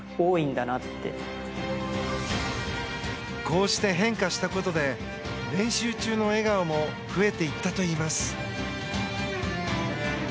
こうして変化したことで練習中の笑顔も増えていったといいます。